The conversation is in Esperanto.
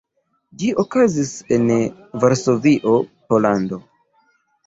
Ĝi okazis en Varsovio, Pollando.